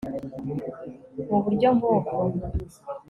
mu buryo nk'ubwo